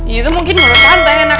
itu mungkin menurut tante enak